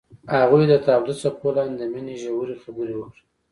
هغوی د تاوده څپو لاندې د مینې ژورې خبرې وکړې.